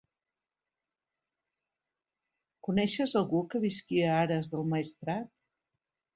Coneixes algú que visqui a Ares del Maestrat?